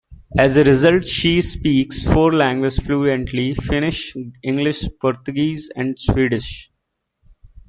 As a result she speaks four languages fluently: Finnish, English, Portuguese and Swedish.